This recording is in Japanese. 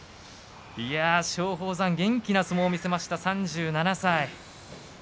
松鳳山元気な相撲を見せました３７歳。